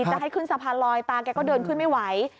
จะให้ขึ้นสะพานลอยตาแกก็เดินขึ้นไม่ไหว